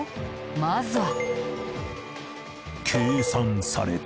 まずは。